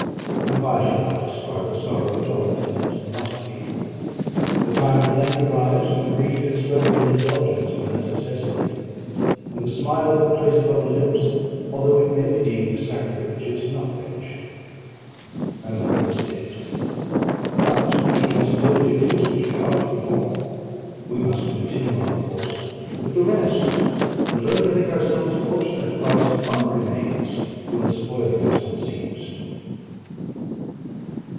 and why should I describe a sorrow which all have felt, and must feel? The time at length arrives, when grief is rather an indulgence than a necessity; and the smile that plays upon the lips, although it may be deemed a sacrilege, is not banished. My mother was dead, but we had still duties which we ought to perform; we must continue our course with the rest, and learn to think ourselves fortunate, whilst one remains whom the spoiler has not seized.